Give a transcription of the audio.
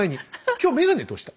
今日眼鏡どうした？